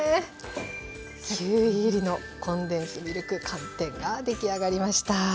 キウイ入りのコンデンスミルク寒天が出来上がりました。